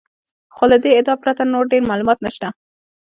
خو له دې ادعا پرته نور ډېر معلومات نشته.